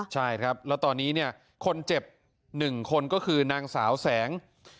ใช่ครับแล้วตอนนี้เนี่ยคนเจ็บ๑คนก็คือนางสาวแสง